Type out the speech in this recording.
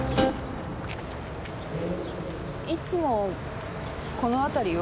いつもこの辺りを？